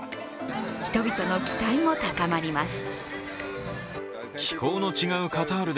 人々の期待も高まります。